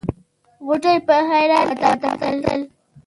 غوټۍ په حيرانۍ ورته کتل.